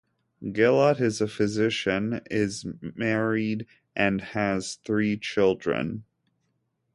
Gillot is a physician, is married and has three children.